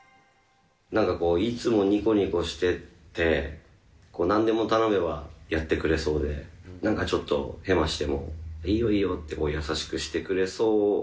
なんかこう、いつもにこにこしてて、なんでも頼めばやってくれそうで、なんかちょっとヘマしても、いいよいいよって優しくしてくれそう、